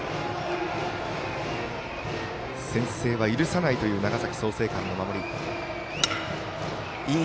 先制は許さないという長崎、創成館の守り。